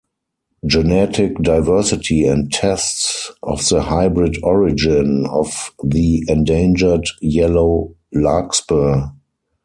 Genetic diversity and tests of the hybrid origin of the endangered yellow larkspur.